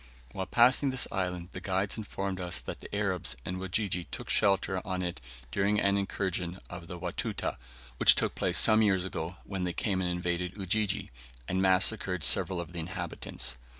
While passing this island the guides informed us that the Arabs and Wajiji took shelter on it during an incursion of the Watuta which took place some years ago when they came and invaded Ujiji, and massacred several of the inhabitants.